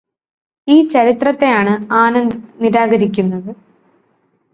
ഈ ചരിത്രത്തെയാണു ആനന്ദ് നിരാകരിക്കുന്നത്.